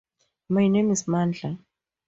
My name is Mandla.